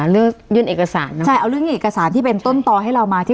ยื่นเอกสารเนาะใช่เอาเรื่องเอกสารที่เป็นต้นต่อให้เรามาที่